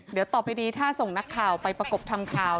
เดี๋ยวต่อไปนี้ถ้าส่งนักข่าวไปประกบทำข่าว